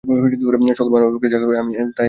সকল মানবের পক্ষে যা কল্যাণকর, আমি তাই প্রচার করি।